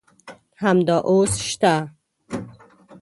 همدا اوس شته.